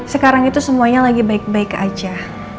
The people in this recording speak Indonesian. sekarang itu semuanya lagi baik baik aja